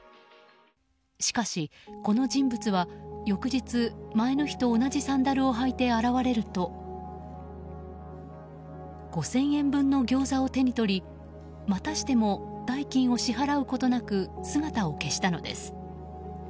しかし、この人物は翌日前の日と同じサンダルを履いて現れると５０００円分のギョーザを手に取りまたしても代金を支払うことなく姿を消したのです。